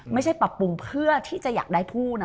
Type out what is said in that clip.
ไม่ใช่ปรับปรุงเพื่อที่จะอยากได้ผู้นะ